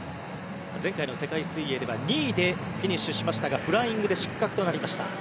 前回の世界水泳では２位でフィニッシュしましたがフライングで失格となりました。